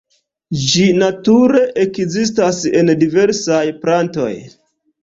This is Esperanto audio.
Ĝi nature ekzistas en diversaj plantoj.